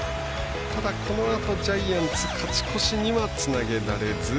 このあと、ジャイアンツ勝ち越しにはつなげられず。